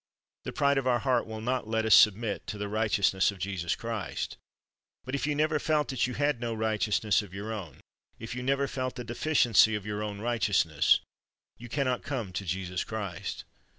The pride of our heart will not let us submit to the righteous ness of Jesus Christ. But if you never felt that you had no righteousness of your own, if you never felt the deficiency of your own righteous ness, you can not come to Jesus Christ.